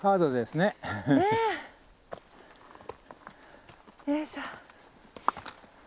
よいしょ。